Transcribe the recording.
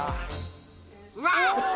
うわっ！